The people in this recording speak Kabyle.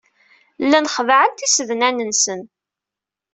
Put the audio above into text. Llan xeddɛen tisednan-nsen.